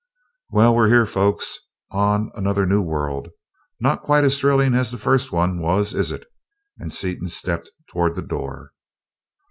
"Well, we're here, folks, on another new world. Not quite as thrilling as the first one was, is it?" and Seaton stepped toward the door.